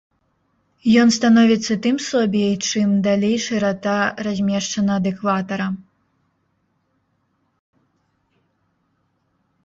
Ён становіцца тым слабей, чым далей шырата размешчана ад экватара.